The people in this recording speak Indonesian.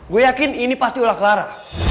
gue yakin ini pasti ulah clara